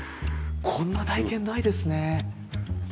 こんな体験ないですね。